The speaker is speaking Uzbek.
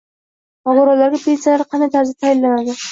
Nogironlarga pensiyalar qanday tarzda tayinlanadi?